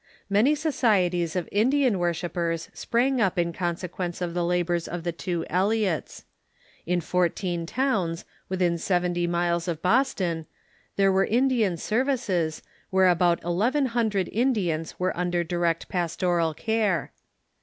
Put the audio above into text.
Many societies of Indian Avorshippers sprang up in consequence of the labors of the tAA ^o Eliots. In fourteen tOAvns, Avithin seventy miles of Boston, there Avere Indian services, where about elev en hundred Indians were under direct pastoral care.